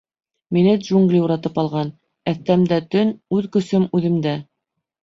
Мине джунгли уратып алған, әҫтәмдә — төн, үҙ көсөм — үҙемдә.